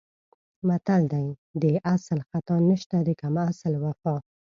متل دی: د اصل خطا نشته د کم اصل وفا.